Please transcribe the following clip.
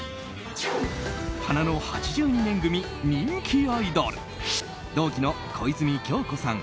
花の８２年組人気アイドル同期の小泉今日子さん